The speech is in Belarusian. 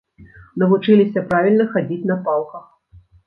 Навучыліся правільна хадзіць на палках.